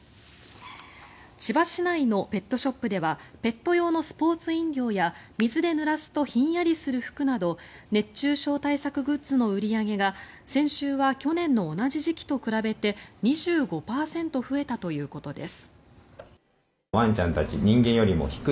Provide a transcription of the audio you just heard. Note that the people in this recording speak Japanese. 千葉市内のペットショップではペット用のスポーツ飲料や水でぬらすとひんやりする服など熱中症対策グッズの売り上げが先週は去年の同じ時期と比べて２５％増えたということです。